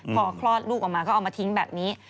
พอคลอดลูกออกมาก็เอามาทิ้งแบบนี้